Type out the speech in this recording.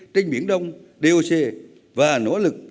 trên biển đông doc và nỗ lực